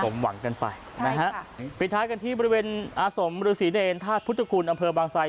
สมหวังกันไปใช่ค่ะนะฮะปิดท้ายกันที่บริเวณอาสมบริษีเนรนด์ภาพพุทธคุณอำเภอบางไซค์